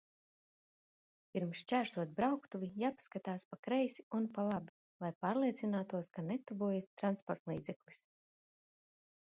Pirms šķērsot brauktuvi, jāpaskatās pa kreisi un pa labi, lai pārliecinātos, ka netuvojas transportlīdzeklis